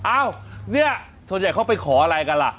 อ้าวเนี่ยส่วนใหญ่เขาไปขออะไรกันล่ะ